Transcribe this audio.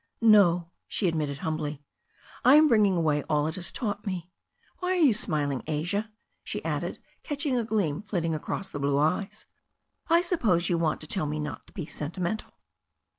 "No," she admitted humbly. "I am bringing away all it has taught me. Why are you smiling, Asia?" she added, catching a gleam flitting across the blue eyes. "I suppose you want to tell me not to be sentimental."